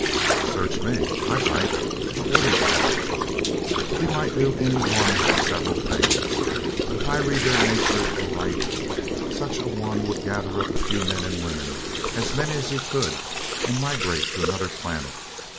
"Search me.... I bite, what would he do?" "He might do any one of several things, but if I read their nature aright, such a one would gather up a few men and women as many as he could and migrate to another planet.